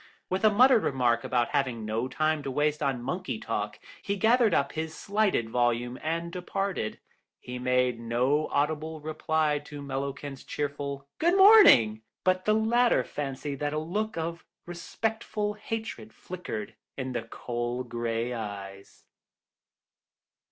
With a muttered remark about having no time to waste on monkey talk, he gathered up his slighted volume and departed. He made no audible reply to Mellowkent's cheerful "Good morning," but the latter fancied that a look of respectful hatred flickered in the cold grey eyes.